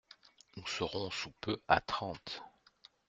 Nous serons sous peu à Trente.